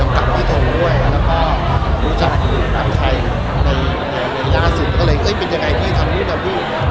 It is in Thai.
ไม่รู้จักตัวใครต่อมาสิ่งที่เป็นอย่างไรที่ทำดุดลอดรอย